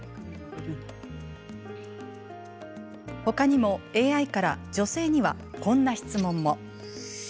ほかにもＡＩから女性にはこんな質問も。